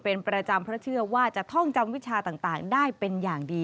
เป็นประจำเพราะเชื่อว่าจะท่องจำวิชาต่างได้เป็นอย่างดี